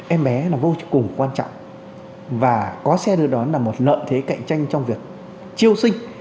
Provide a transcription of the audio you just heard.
em bé là vô cùng quan trọng và có xe được đón là một lợn thế cạnh tranh trong việc chiêu sinh